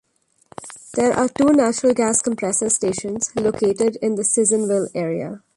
There are two natural gas compressor stations located in the Sissonville area.